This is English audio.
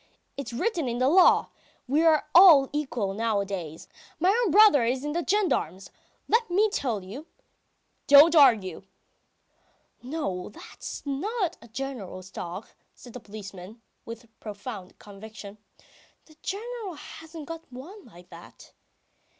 It's written in the law. ... We are all equal nowadays. My own brother is in the gendarmes ... let me tell you. ..." "Don't argue!" "No, that's not the General's dog," says the policeman, with profound conviction, "the General hasn't got one like that.